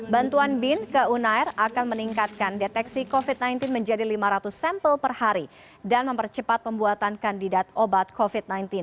bantuan bin ke unair akan meningkatkan deteksi covid sembilan belas menjadi lima ratus sampel per hari dan mempercepat pembuatan kandidat obat covid sembilan belas